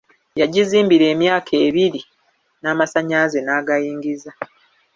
Yagizimbira emyaka ebbiri n'amasanyalaze n'agayingiza.